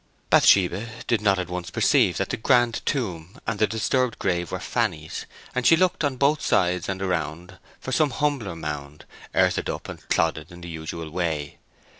Bathsheba did not at once perceive that the grand tomb and the disturbed grave were Fanny's, and she looked on both sides and around for some humbler mound, earthed up and clodded in the usual way.